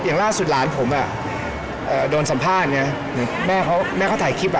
อย่างล่าสุดหลานผมอ่ะโดนสัมภาษณ์ไงแม่เขาแม่เขาถ่ายคลิปอ่ะ